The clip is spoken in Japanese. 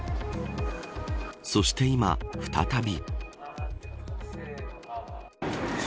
そして今再び。